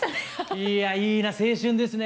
いやいいな青春ですね。